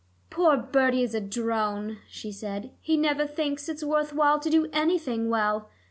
"Poor Bertie is a drone," she said; "he never thinks it worth while to do anything well.